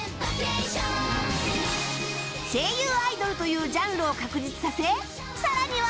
声優アイドルというジャンルを確立させさらには